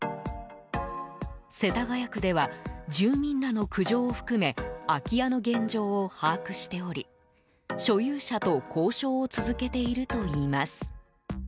世田谷区では住民らの苦情を含め空き家の現状を把握しており所有者と交渉を続けているといいます。